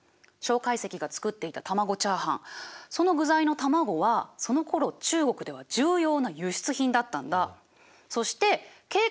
介石が作っていた卵チャーハンその具材の卵はそのころ中国では重要な輸出品だったんだ。